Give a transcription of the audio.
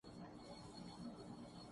ایسا دیکھا نہیں خوبصورت کوئی